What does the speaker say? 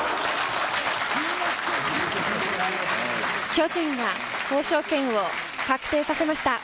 巨人が交渉権を確定させました。